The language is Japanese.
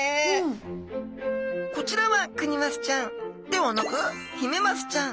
こちらはクニマスちゃんではなくヒメマスちゃん。